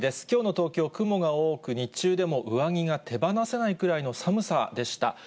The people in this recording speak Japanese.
きょうの東京、雲が多く、日中でも上着が手放せないくらいの寒さでした。